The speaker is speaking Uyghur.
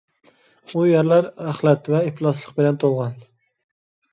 ئۇ يەرلەر ئەخلەت ۋە ئىپلاسلىق بىلەن تولغان.